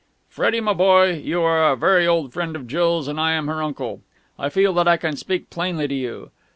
"Freddie, my boy, you are a very old friend of Jill's and I am her uncle. I feel that I can speak plainly to you.